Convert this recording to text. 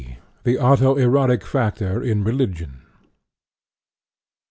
THE AUTO EROTIC FACTOR IN RELIGION.